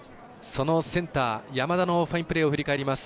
そのセンター山田のファインプレーを振り返ります。